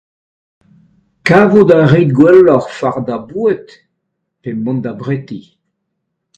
Kavout a rit gwelloc'h fardañ boued pe mont d'ar preti ?